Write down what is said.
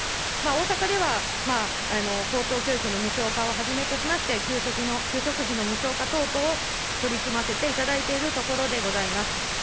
大阪では高等教育の無償化をはじめとしまして、給食の、給食費の無償化等々を取り組ませていただいているところでございます。